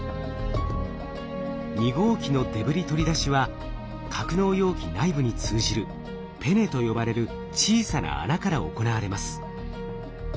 ２号機のデブリ取り出しは格納容器内部に通じるペネと呼ばれる小さな穴から行われます。